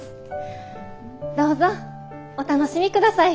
どうぞお楽しみください。